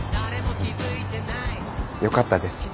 よかったです。